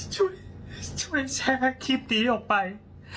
ช่วยแชร์คลิปนี้ออกไป